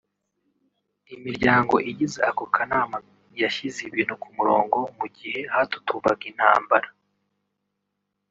Imiryango igize ako kanama yashyize ibintu ku murongo mu gihe hatutumbaga intambara